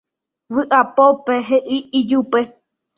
vy'apópe he'i ijupe